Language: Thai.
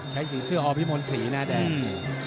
สีเสื้ออพิมนต์ศรีนะแดง